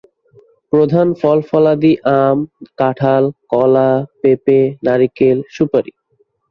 প্রধান ফল-ফলাদি আম, কাঁঠাল, কলা, পেঁপে, নারিকেল, সুপারি।